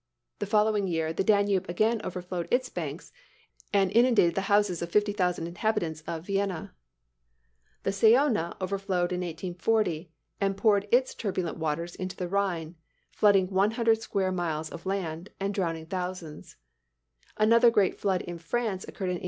The following year the Danube again overflowed its banks, and inundated the houses of 50,000 inhabitants of Vienna." The Saone [Illustration: BREAKING OF THE DYKES, HOLLAND.] overflowed in 1840 and poured its turbulent waters into the Rhine, flooding one hundred square miles of land, and drowning thousands. Another great flood in France occurred in 1856.